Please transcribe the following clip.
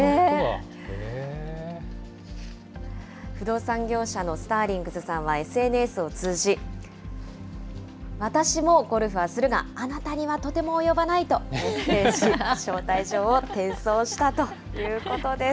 不動産業者のスターリングスさんはＳＮＳを通じ、私もゴルフはするが、あなたにはとても及ばないとメッセージ、招待状を転送したということです。